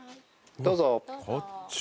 どうぞ。